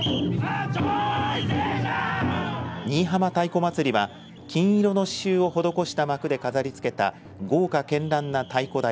新居浜太鼓祭りは金色の刺しゅうを施した幕で飾りつけた豪華けんらんな太鼓台